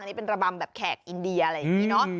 อันนี้เป็นระบำแบบแขกอินเดียอะไรอย่างนี้เนอะ